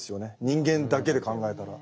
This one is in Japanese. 人間だけで考えたら。